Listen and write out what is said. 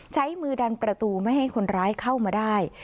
ใช้มือดันประตูไม่ให้คนร้ายเข้ามาได้